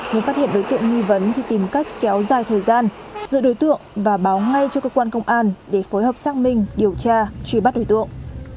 nếu phát hiện đối tượng nghi vấn thì tìm cách kéo dài thời gian dựa đối tượng và báo ngay cho cơ quan công an để phối hợp xác minh điều tra truy bắt đối tượng